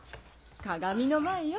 鏡の前よ。